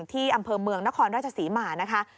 ที่อำเภอเมืองนครราชศรีมานะคะ